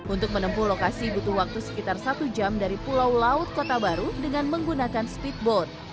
untuk menempuh lokasi butuh waktu sekitar satu jam dari pulau laut kota baru dengan menggunakan speedboat